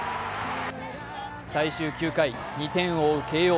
最終９回、２点を追う慶応。